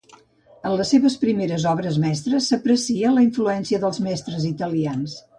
En les seves primeres obres mestres s'aprecia la influència dels mestres italians.